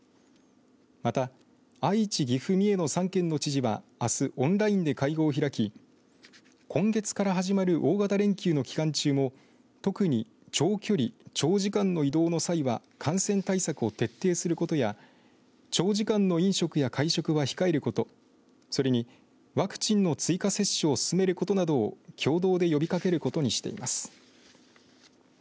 また愛知、岐阜、三重の３県の知事はあす、オンラインで会合を開き今月から始まる大型連休の期間中も特に長距離、長時間の移動の際は感染対策を徹底することや長時間の飲食や会食は控えることそれにワクチンの追加接種を進めることなどを共同で呼びかけることにしています。